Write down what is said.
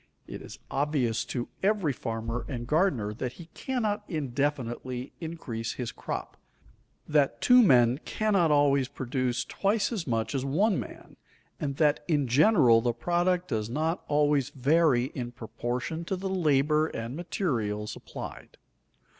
It is obvious to every farmer and gardener that he cannot indefinitely increase his crop, that two men cannot always produce twice as much as one man, and that in general the product does not always vary in proportion to the labor and materials applied.